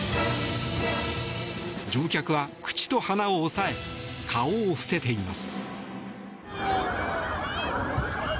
乗客は、口と鼻を押さえ顔を伏せています。